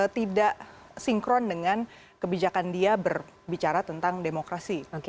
tidak sinkron dengan kebijakan dia berbicara tentang demokrasi